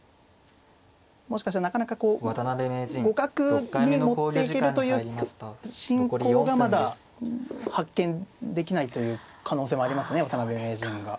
もしかしたらなかなかこう互角に持っていけるという進行がまだ発見できないという可能性もありますね渡辺名人が。